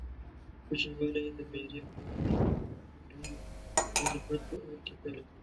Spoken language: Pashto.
کوچنيوالی يې د ميرې مور د نادودو او نفرت په اور کې پيل کړ.